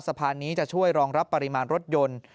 สะพานนี้จะช่วยรองรับปริมาณรถยนต์